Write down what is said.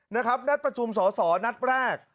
นัดประชุมสอสอนัดแรก